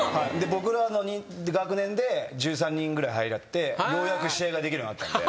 僕らの学年で１３人ぐらい入ってようやく試合ができるようになったんで。